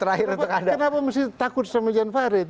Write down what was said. kenapa mesti takut sama jan farid